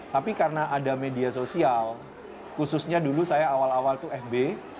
tapi karena ada media sosial khususnya dulu saya awal awal itu fb